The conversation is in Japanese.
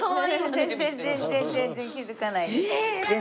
全然全然気づかないです。